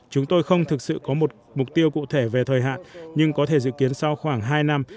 chúng tôi không thực sự có một mục tiêu cụ thể về thời hạn nhưng có thể dự kiến sau khoảng hai năm